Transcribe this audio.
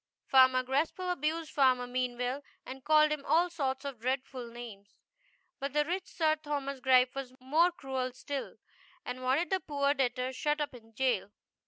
Farmer Graspall abused Farmer Meanwell and called him all sorts of dreadful names ; but the rich Sir Thomas Gripe was more cruel still, and wanted the poor debtor shut up in jail.